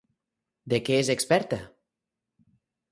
De què és experta?